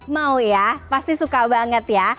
mau ya pasti suka banget ya